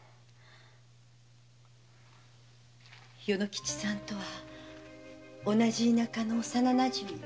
与之吉さんとは同じ田舎の幼なじみ。